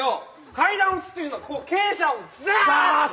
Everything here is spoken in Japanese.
階段落ちっていうのは傾斜をざーっと。